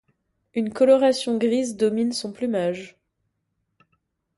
Une coloration grise domine son plumage.